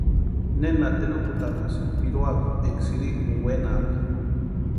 ¿Nena terukutanhasïni piruakwa enka sïrïkuni wenaka?